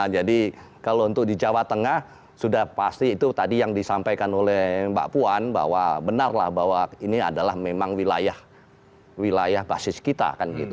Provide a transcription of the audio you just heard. jadi kalau untuk di jawa tengah sudah pasti itu tadi yang disampaikan oleh mbak puan bahwa benar lah bahwa ini adalah memang wilayah basis kita